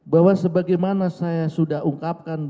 bahwa sebagaimana saya sudah ungkapkan di muka